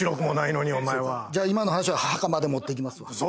じゃあ今の話は墓まで持っていきますわ。